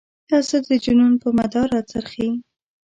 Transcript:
هر څه د جنون په مدار را څرخي.